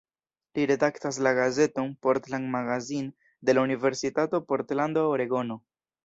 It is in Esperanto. Li redaktas la gazeton "Portland Magazine" de la Universitato Portlando, Oregono.